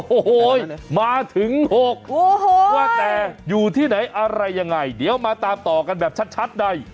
โอ้โหมาถึง๖ว่าแต่อยู่ที่ไหนอะไรยังไงเดี๋ยวมาตามต่อกันแบบชัดใน